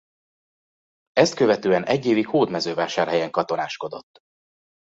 Ezt követően egy évig Hódmezővásárhelyen katonáskodott.